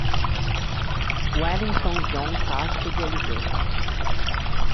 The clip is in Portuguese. Wellington John Castro Deoliveira